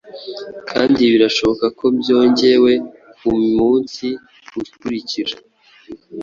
kandi birashoboka ko byongewe ku munsi ukurikira